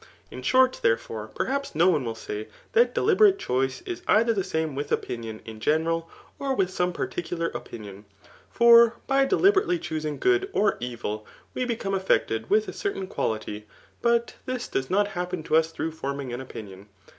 In short, therefore; peitaips Hb one ^U say that deliberate choice is either the same llpith opinion [in generd,^*^^ ^^^^^ particular op! 10cm. For by deliberately choosing good or evil, we be come affected with a certain quality ; but this does not happen to us through forming an opinion.